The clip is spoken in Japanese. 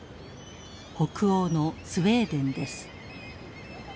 北欧のスウェーデンです。